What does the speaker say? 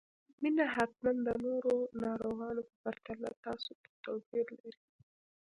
مينه حتماً د نورو ناروغانو په پرتله تاسو ته توپير لري